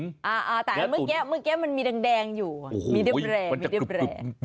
แต่เมื่อกี้มันมีแดงอยู่มีเนื้อแรง